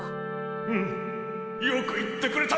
うんよく言ってくれた！